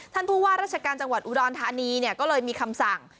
ท่านผู้ว่าราชการจังหวัดอุดรธานีก็เลยมีคำสั่ง